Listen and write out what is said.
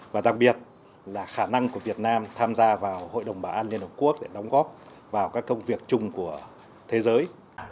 và đặc biệt là khả năng của việt nam tham gia vào hội đồng bảo an liên hợp quốc để đóng góp vào các công việc chung của thế giới